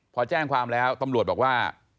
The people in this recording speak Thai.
พอแจ้งความแล้วตำรวจบอกว่า